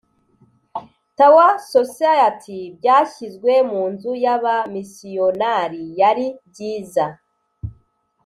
Tower Society byashyizwe mu nzu y abamisiyonari yari byiza